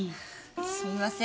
すいません。